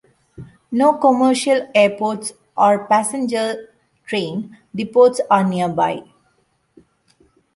No commercial airports or passenger train depots are nearby.